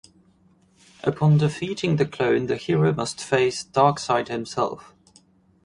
Upon defeating the clone, the hero must face Darkseid himself.